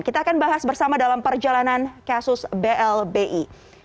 kita akan bahas bersama dalam perjalanan kasus blbi